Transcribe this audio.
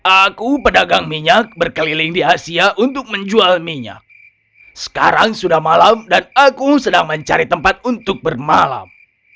aku pedagang minyak berkeliling di asia untuk menjual minyak sekarang sudah malam dan aku sedang mencari tempat untuk bermalam